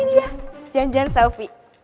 ini tak apa skac